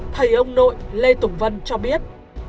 thầy ông nội lê thủng vân cho biết